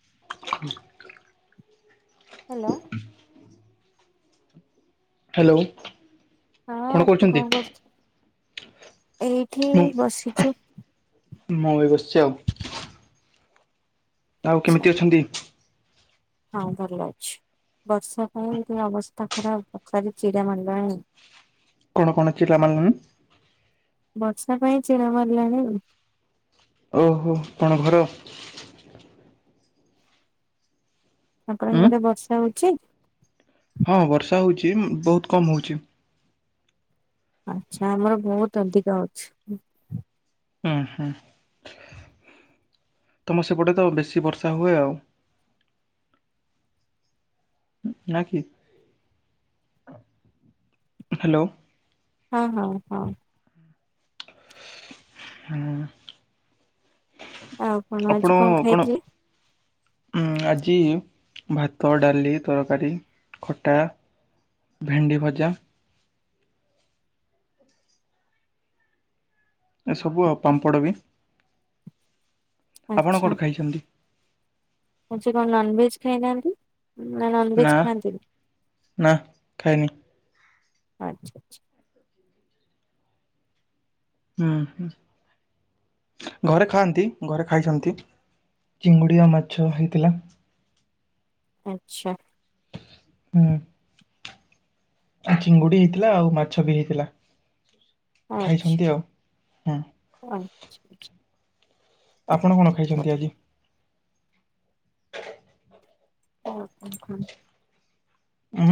[inaudible] Hello. Hello. ହଁ କଣ କରୁଚୁ? ଏଇଠି ମୁଁ ବସିଚୁ। ମୁଁ ବି ବସିଚି ଆଉ। ଆଉ ଆଛା କେମିତି ଅଛନ୍ତି? ହଁ ଭଲ ଅଛି। ବର୍ଷା ପାଇଁ ଟିକେ ଅବସ୍ଥା ଖରାପ। ତଥାପି ଚିଡା ମାଡ଼ିଲାଣି। କଣ କଣ ପିଲାମାନେ। ବର୍ଷା ପାଇଁ ଚିର ମାରିଲାଣି ଆ ଓହୋ କଣ ଘର ଉଁ ଆପଣଙ୍କରେ ବର୍ଷା ହଉଛି? ହଁ ବର୍ଷା ହେଉଛି ବହୁତ କମ୍ ହେଉଛି। ଆଚ୍ଛା ଆମର ବହୁତ ଅଧିକା ଅଛି। ଉୁଁ ହୁଁ ତମ ସେପଟେ ତ ବେଶୀ ବର୍ଷା ହୁଏ ଆଉ। ନାକି ହ୍ୟାଲୋ। ହଁ ହଁ ହଁ। ହଁ ଆଉ କଣ ଆଜି ଆପଣ କଣ ଖାଇଥିଲେ? ଆଜି ଭାତ ଡାଲି ତରକାରୀ। ଖଟା ଭେଣ୍ଡି ଭଜା। ଏସବୁ ଆଉ ପାମ୍ପଡ଼ ବି ଆପଣ କେଉଠୁ ଖାଇଛନ୍ତି? ମ ସେ କଣ ନନଭେଜ ଖାଇନାହାନ୍ତି ନା ନନ ଭେଜ ଖାଆନ୍ତିନି। ନା ଖାଇନି ଆଚ୍ଛା ଆଚ୍ଛା। ହୁଁ ହୁଁ ଘରେ ଖାଆନ୍ତି ଘରେ ଖାଇଛନ୍ତି ଚିଙ୍ଗୁଡିଆ ମାଛ ହେଇଥିଲା। ଆଚ୍ଛା। ହୁଁ ଚିଙ୍ଗୁଡି ହେଇଥିଲା ଆଉ ମାଛ ବି ହେଇଥିଲା ଆଚ୍ଛା। ଖାଇଛନ୍ତି ଆଉ ହୁଁ [unintelligible] ଆପଣ କଣ ଖାଇଛନ୍ତି ଆଜି? [unintelligible] ଉଁ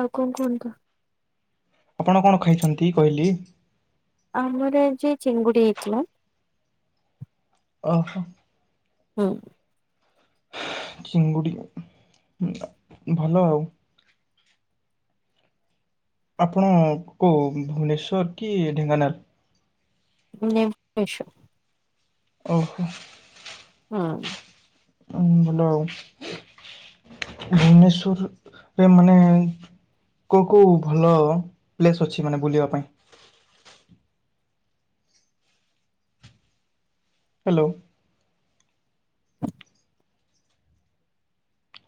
ଆଉ କଣ କୁହନ୍ତୁ? ଆପଣ କଣ ଖାଇଛନ୍ତି କହିଲି? ଆମର ଆଜି ଚିଙ୍ଗୁଡ଼ି ହେଇଥିଲା। ଓହୋ। ହୁଁ ଚିଙ୍ଗୁଡ଼ି ଭଲ ଆଉ। ଆପଣ କଉ ଭୁବନେଶ୍ୱର କି ଢେଙ୍କାନାଳ? ଭୁବନେଶ୍ବର। ଓହୋ। ହଁ ଭଲ ଆଉ। ଭୁବନେଶ୍ବର ମାନେ କୋଉ କୋଉ ଭଲ ପ୍ଲେସ୍ ଅଛି ମାନେ ବୁଲିବା ପାଇଁ। ହ୍ୟାଲୋ।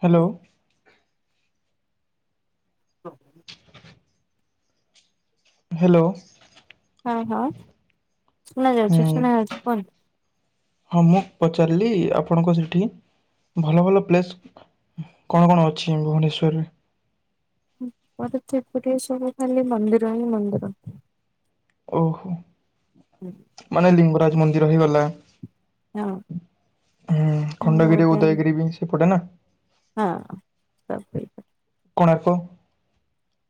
ହ୍ୟାଲୋ। ହଁ ହ୍ୟାଲୋ। ହଁ ହଁ ଶୁଣା ଯାଉଛି ହୁଁ। ଶୁଣା ଯାଉଛି କୁହନ୍ତୁ। ହଁ ମୁଁ ପଚାରିଲି ଆପଣଙ୍କ ସେଇଠି ଭଲ ଭଲ ପ୍ଲେସ୍ କଣ କଣ ଅଛି ଭୁବନେଶ୍ୱରରେ? ଉପର ଚାରିପଟେ ସବୁ ଖାଲି ମନ୍ଦିର ହଁ ମନ୍ଦିର। ଓହୋ। ଉଁ। ମାନେ ଲିଙ୍ଗରାଜ ମନ୍ଦିର ହେଇଗଲା। ହଁ ହୁଁ ମୁଁ ଖଣ୍ଡଗିରି ଗୋଟେ ଉଦୟଗିରି ବି ସେପଟେ ନା। ହଁ ତପି କୋଣାର୍କ।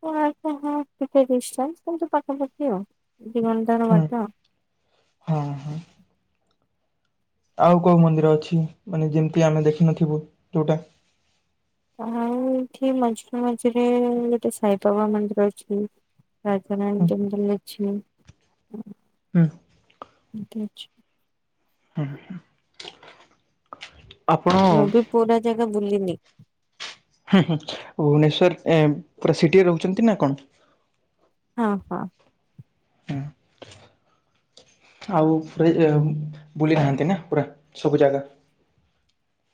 କୋଣାର୍କ କୁ ଟିକ ଡିସଟାନ୍ସ କିନ୍ତୁ ପାଖାପାଖି ଆଉ ଦିଘଣ୍ଟାର ହୁଁ ବାଟ। ହଁ ହଁ। ଆଉ କୋଉ ମନ୍ଦିର ଅଛି ମାନେ ଯେମିତି ଆମେ ଦେଖିନଥିବୁ ଯୋଉଟା? ଆଉ ଏଠି ମଝିରେ ମଝିରେ ଗୋଟେ ସାଇବାବା ମନ୍ଦିର ଅଛି। ହୁଁ [unintelligible] ଅଛିି। ହୁଁ। ଠିକ୍ ଅଛି। ହୁଁ। ମୁଁ ବି ପୁରା ଜାଗା ବୁଲିିନି। ହୁଁ ହୁଁ ଭୁବନେଶ୍ଵର ପୁରା ସିଟିରେ ରହୁଛନ୍ତି ନା କଣ? ହଁ ହଁ। ହୁଁ। ଆଉ ପୁରା ବୁଲି ନାହାନ୍ତି ନା ପୁରା ସବୁ ଜାଗା?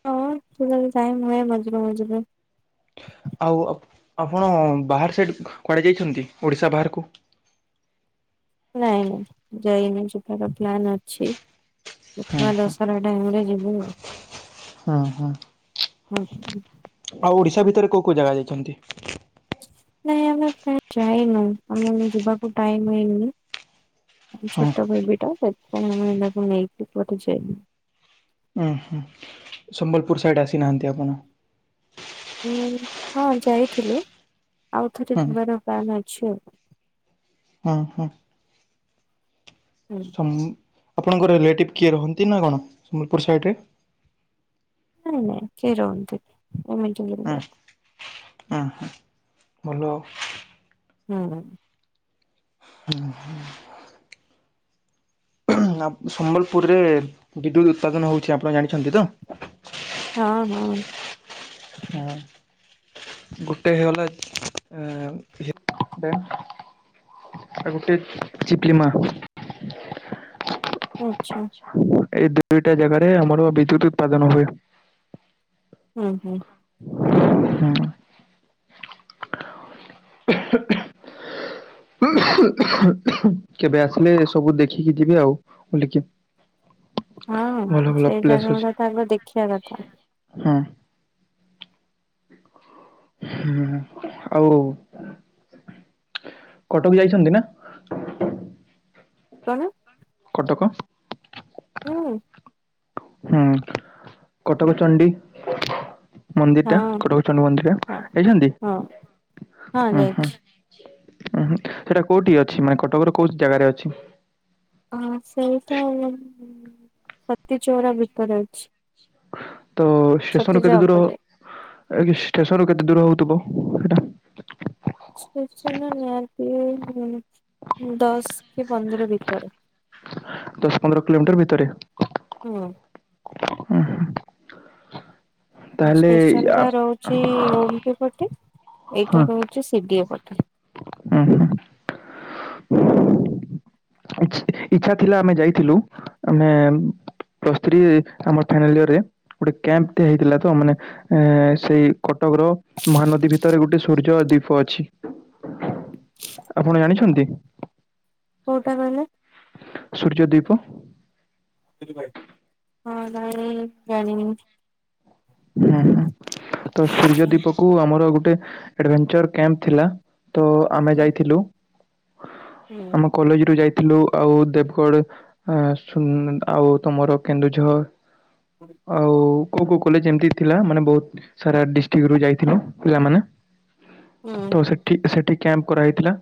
ହଁ ଯଦି ଟାଇମ ହୁଏ ମଝିରେ ମଝିରେ ଆଉ ଆପଣ ବାହାର ସେଠ କୁଆଡ଼େ ଯାଇଛନ୍ତି ଓଡ଼ିଶା ବାହାରକୁ? ନାଁଇ ନାଇଁ ଯାଇନି ଯିବାର ପ୍ଲାନ ଅଛି। ହୁଁ ଦେଖିବା ହୁଁ ଦଶରା ଟାଇମ ରେ ଯିବୁ। ହୁଁ ହୁଁ ଆଉ ଓଡ଼ିଶା ଭିତରେ କୋଉ କୋଉ ଜାଗା ଯାଇଛନ୍ତି? ନାଇଁ ଆମେ କୁଆଡେ ଯାଇନୁ ଆମକୁ ଯିବାକୁ ଟାଇମ ହୁଏନି। ହଁ ଛୋଟ ବେବି ଟା ତାକୁ କୁଆଡେ ତାକୁ ନେଇକି କୋଉଠି ଯାଇନୁ। ଉୁଁ ହୁଁ ସମ୍ବଲପୁର ସାଇଡ ଆସିନାହାନ୍ତି ଆପଣ? ଉଁ ହଁ ଯାଇଥିଲୁ ଆଉଥରେ ହୁଁ ଯିବାର ପ୍ଲାନ ଅଛି ଆଉ। ହୁଁ ହୁଁ। ସମ ଆପଣଙ୍କ ରିଲେଟିଭ୍ କିଏ ରହନ୍ତି ନା କଣ ସମ୍ବଲପୁର ସାଇଡ଼ରେ? ନାଇଁ ନାଇଁ କିଏ ରହନ୍ତିନି [unintelligible] ଉଁ ହୁଁ ଭଲ ଆଉ। ହୁଁ। ହୁଁ ହୁଁ। ଆ ସମ୍ବଲପୁରରେ ବିଦ୍ୟୁତ୍ ଉତ୍ପାଦନ ହେଉଛି ଆପଣ ଜାଣିଛନ୍ତି ତ? ହଁ ହଁ। ହଁ। ଗୋଟେ ହେଇଗଲା ହେପ [unintelligible] ଆଉ ଗୋଟେ ଚିପଲି ମା। ଆଚ୍ଛା। ଏଇ ଦୁଇଟା ଜାଗାରେ ଆମର ବିଦ୍ୟୁତ ଉତ୍ପାଦନ ହୁଏ। ହୁଁ ହୁଁ। ହୁଁ। କେବେ ଆସିଲେ ସବୁ ଦେଖିକି ଯିବେ ଆଉ ବୁଲିକି। ହଁ ଭଲ ଭଲ ସେଇ ପ୍ଲେସ୍ ଜାଗା ଅଛି ଗୁଡ଼ା ତ ଦେଖିବା କଥା। ହଁ। ହୁଁ ଆଉ କଟକ ଯାଇଛନ୍ତି ନା? କଣ? କଟକ? ହୁଁ। ହୁଁ କଟକ ଚଣ୍ଡୀ? ମନ୍ଦିର ଟା ହଁ କଟକଚଣ୍ଡୀ ମନ୍ଦିର ହଁ ଟା ହେଇଛନ୍ତି ହଁ ହଁ ଉ ଯାଇଛି। ହୁଁ ହୁଁ ହୁଁ ସେଇଟା କୋଉଠି ଅଛି ମାନେ କଟକ ର କୋଉ ଜାଗାରେ ଅଛି? ହଁ ସେଇଟା ସତି ଚଉରା ଭିତରେ ଅଛି। ତ ଷ୍ଟେସନରୁ ସତୀଚଉରା କେତେ ଦୂର ହବ? ଉପରେ ଏ ଷ୍ଟେସନରୁ କେତେ ଦୂର ହଉଥିବ ସେଇଟା? ଷ୍ଟେସନରୁ ନିହାତି ଦଶ କି ପନ୍ଦର ଭିତରେ। ଦଶ ପନ୍ଦର କିଲୋମିଟର ଭିତରେ। ହୁଁ। ହୁ ହୁଁ। ଷ୍ଟେସନ ଆ ଟା ରହୁଛି ଓମପି ପଟେ ହଁ ଏଇଟା ରହୁଛି ସିଡିଏ ପଟେ। ଉଁ ହୁଁ। ଇଛ ଇଚ୍ଛା ଥିଲା ଆମେ ଯାଇଥିଲୁ ଆମେ ପ୍ଲସ ଥ୍ରି ଆମର ଫାଇନାଲ ୟରରେ ଗୋଟେ କ୍ୟାମ୍ପଟେ ହେଇଥିଲା ତ ମାନେ ଏ ସେଇ କଟକର ମହାନଦୀ ଭିତରେ ଗୋଟେ ସୂର୍ଯ୍ୟ ଦୀପ ଅଛି। ଆପଣ ଜାଣିଛନ୍ତି? କୋଉଟା କହିଲେ? ସୂର୍ଯ୍ୟ ଦୀପ ହଁ ଜାଣିନି ଜାଣିନି ମୁଁ। ହୁଁ ହଁ ତ ସୂର୍ଯ୍ୟ ଦୀପ କୁ ଆମର ଗୋଟେ ଆଡଭେଞ୍ଚର କ୍ୟାମ୍ପ ଥିଲା। ତ ଆମେ ହୁଁ ଯାଇଥିଲୁ ହୁଁ ଆମ କଲେଜରୁୁ ଯାଇ ଥିଲୁ ଆଉ ଦେବଗଡ଼ ଆସୁଛୁ ଆଉ ତମର କେନ୍ଦୁଝର ଆଉ କୋଉ କୋଉ କଲେଜ ଏମତି ଥିଲା ମାନେ ବହୁତ ସାରା ଡିଷ୍ଟ୍ରିକ ରୁ ଯାଇଥିଲୁ ପିଲାମାନେ। ହୁଁ। ତ ସେଠି ସେଠି କ୍ୟାମ୍ପ କରାହେଇଥିଲା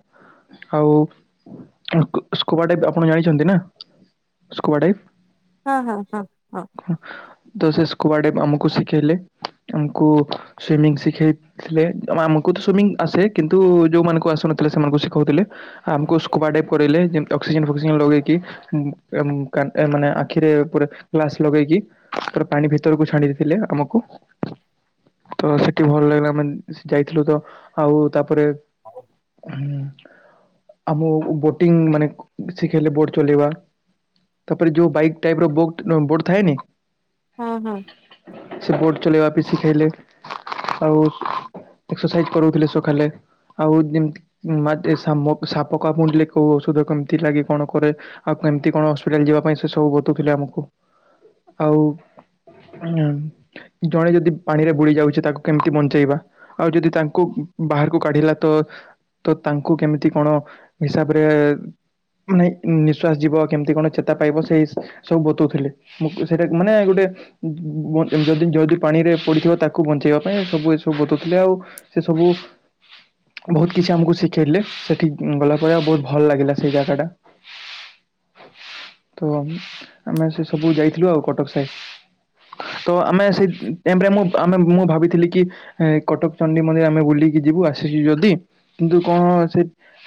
ଆଉ ସ୍କୋବାଡାଇଭ ଆପଣ ଜାଣିଛନ୍ତି ନା ସ୍କୋବାଡ଼ାଇଭ? ହଁ ହଁ ହଁ। ତ ସେ ସ୍କୋବାଡ଼ାଇଭ ଆମକୁ ଶିଖେଇଲେ। ଆମକୁ ସୁିମିଂ ଶିଖେଇ ଥିଲେ ଆମକୁ ତ ସୁମିଂ ଆସେ କିନ୍ତୁ ଯୋଉମାନଙ୍କୁ ଆସୁନଥିଲେ ସେମାନଙ୍କୁ ଶିଖାଉଥିଲେ। ଆମକୁ ସ୍କୁୋବା ଡାଇଭ କରାଇଲେ ଯେମତି ଅକ୍ସିଜେନ ଫକ୍ସିଜେନ ଲଗେଇକି। ଉଁ ଏ ଏ ମାନେ ଆଖିରେ ପୁରା ଗ୍ଲାସ ଲଗେଇକି ପୁରା ପାଣି ଭିତରକୁ ଛାଡିବେ। ଥିଲେ ଆମକୁ ତ ସେଠି ଭଲ ଲାଗିଲା, ଆମେ ସେ ଯାଇଥିଲୁ ତ। ଆଉ ତାପରେ ହୁଁ। ଆମ ବୋଟିଂ ମାନେ ଶିଖେଇଲେ ବୋଟ ଚଲେଇବା। ତାପରେ ଯୋଉ ବାଇକ୍ ଟାଇପର ଵୁକଥ ବୋଟ ଥାଏନି। ହଁ ହଁ। ସେ ବୋଟ୍ ଚଲେଇବା ବି ଶିଖେଇଲେ ଆଉ ଏକ୍ସରସାଇଜ଼ କରାଉ ଥିଲେ ସଖାଲେ। ଆଉ ଏମିତି ମାଟିରେ ସାମ ସାପ କାମୁଡ଼ିଲେ କୋଉ ଔଷଧ କେମିତି ଲାଗେ କଣ କରେ ଆଉ କେମତି କଣ ହସ୍ପିଟାଲ ଯିବା ପାଇଁ ସେ ସବୁ ବତଉଥିଲେ ଆମକୁ। ଆଉ ଉଁ ଜଣେ ଯଦି ପାଣିରେ ବୁଡି ଯାଉଛି ତାକୁ କେମତି ବଞ୍ଚେଇବା? ଆଉ ଯଦି ତାଙ୍କୁ ବାହାରକୁ କାଢିଲା ତ ତ ତାଙ୍କୁ କେମିତି କଣ ହିସାବରେ ମାନେ ନିଃଶ୍ୱାସ ଯିବ କେମିତି କଣ ଚେତା ପାଇବ ସେଇ ସବୁ ବତଉଥିଲେ। ମୁଁ ସେଇଟା ମାନେ ଗୋଟେ ବ ଯଦି ଯଦି ପାଣିରେ ପଡିଥିବ ତାକୁ ବଞ୍ଚେଇବା ପାଇଁ ସବୁ ଏସବୁ ବତଉଥିଲେ ଆଉ ସେ ସବୁ ବୋହୁତ କିଛି ଆମକୁ ଶିଖେଇଲେ। ସେଠି ଗଲା ପରେ ଆଉ ବୋହୁତ ଭଲ ଲାଗିଲା ସେଇ ଜାଗା ଟା। ତ ଆମେ ସେ ସବୁ ଯାଇଥିଲୁ ଆଉ କଟକ ସାହି ତ ଆମେ ସେଇ ହଁ ଟେମ୍ପ ରେ ମୁଁ ଆମେ ମୁଁ ଭାବିଥିଲି କି ଏ କଟକ ଚଣ୍ଡୀ ମନ୍ଦିର ଆମେ ବୁଲିକି ଯିବୁ ଆସିଛୁ ଯଦି କିନ୍ତୁ କଣ ସେ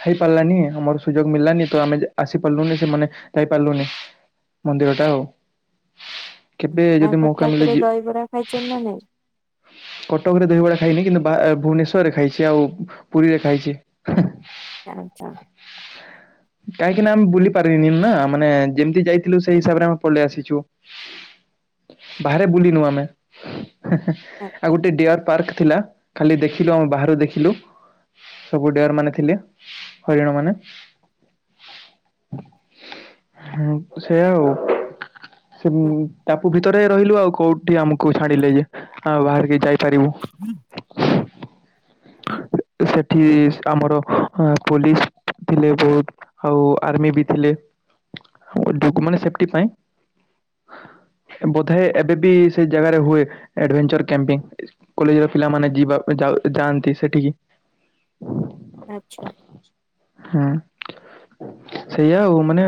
ହେଇପାରିଲାନି ଆମର ସୁଯୋଗ ମିଳିଲାନି ତ ଆମେ ଆସିପାରିଲୁନି ସେମାନେ ଯାଇପାରିଲୁନି। ମନ୍ଦିର ଟା ଆଉ, କେବେ ଯ ଆଉ କଟକରେ ଦଇବରା ଖାଇଛନ୍ତି ନା ନାଇଁ? କଟକରେ ଦହିବରା ଖାଇନି କିନ୍ତୁ ବା ଭୁବନେଶ୍ୱରରେ ଖାଇଛି ଆଉ ପୁରୀରେ ଖାଇଛି। ଆଚା। କାହିଁକି ନା ଆମେ ବୁଲି ପାରିବିନି ନା ମାନେ ଯେମିତି ଯାଇଥିଲୁ ସେଇ ହିସାବରେ ଆମେ ପଳେଇ ଆସିଛୁ। ବାହାରେ ବୁଲିିନୁ ଆମେ। ହଉ। ଆଉ ଗୋଟେ ଡିୟର ପାର୍କ ଥିଲା ଖାଲି ଦେଖିଲୁ ଆମେ ବାହାରୁ ଦେଖିଲୁ। ସବୁ ଡିଆରମାନେ ଥିଲେ ହରିଣମାନେ। ହୁଁ ସେୟା ଆଉ। ସେ ଆଚ୍ଛା ଟାପୁ ଭିତରେ ରହିଲୁ ଆଉ କୋଉଠି ଆମକୁ ଛାଡିଲେ ଯେ ଆ ବାହାରିକି ଯାଇ ପାରିବୁ। [inaudible] ସେଠି ଆମର ପୋଲିସ୍ ଥିଲେ ବୋହୁତ। ଆଉ ଆର୍ମି ବି ଥିଲେ, ଡୁ ମାନେ ସେଫ୍ଟି ପାଇଁ। ବୋଧେ ଏବେ ବି ସେ ଜାଗାରେ ହୁଏ ଏଡଭେଞ୍ଚର କ୍ୟାମ୍ପିଙ୍ଗ। କଲେଜ ର ପିଲାମାନେ ଯିବା ଯାଉ ଯାଆନ୍ତି ସେଠିକି। ଆଚ୍ଛା। ହୁଁ ସେଇଆ ଆଉ ମାନେ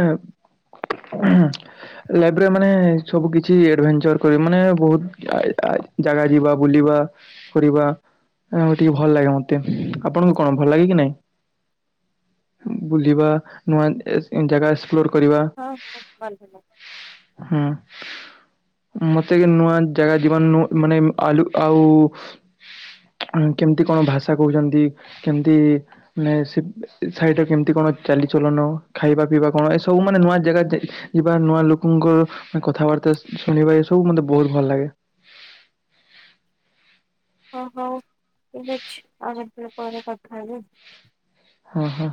[inaudible] ଲାଇଫ ରେ ମାନେ ସବୁକିଛି ଏଡଭେଞ୍ଚର କରିବ ମାନେ ବୋହୁତ [unintelligible] ଜାଗା ଯିବା ବୁଲିବା କରିବା ଆଁ ଟିକେ ଭଲ ଲାଗେ ମତେ। ଆପଣଙ୍କୁ କଣ ଭଲ ଲାଗେ କି ନାଇଁ? ବୁଲିବା ନୂଆ ଜାଗା ଏକ୍ସପ୍ଲୋର କରିବା। ହଁ ହଁ ଭଲ ହୁଁ ମତେ କି ନୂଆ ଜାଗା ଯୀବନ ମାନେ ଆଲୁ ଆଉ କେମତି କଣ ଭାଷା କହୁଛନ୍ତି କେମତି ମାନେ ସେ ସାଇଡରେ କେମତି କଣ ଚାଲିଚଲନ ଖାଇବା ପିଇବା କଣ, ଏ ସବୁ ମାନେ ନୂଆ ଜାଗା ଯିବା, ନୂଆ ଲୋକଙ୍କ କଥାବାର୍ତ୍ତା ଶୁଣିବା ଏ ସବୁ ମତେ ବହୁତ ଭଲ ଲାଗେ। ଓ ହଉ ଠିକ୍ ଅଛି, [unintelligible] ପରେ କଥା ହେବି। ହଁ ହଁ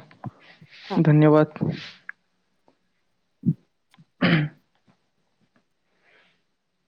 ଧନ୍ୟବାଦ। [inaudible] [inaudible]